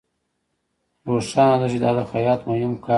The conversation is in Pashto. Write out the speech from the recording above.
روښانه ده چې دا د خیاط مهم کار دی